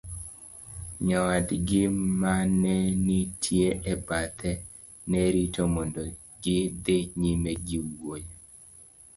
nyawadgi manenitie e bathe ne rite mondo gi dhi nyime gi wuoyo